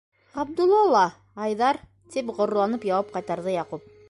- Ғабдулла ла Айҙар! - тип ғорурланып яуап ҡайтарҙы Яҡуп.